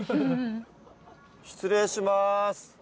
失礼します。